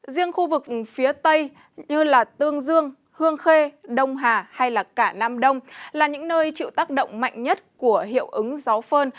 riêng khu vực phía tây như tương dương hương khê đông hà hay cả nam đông là những nơi chịu tác động mạnh nhất của hiệu ứng gió phơn